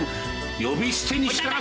呼び捨てにしたな？